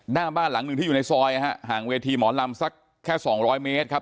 หน้าบ้านหลังหนึ่งที่อยู่ในซอยนะฮะห่างเวทีหมอลำสักแค่สองร้อยเมตรครับ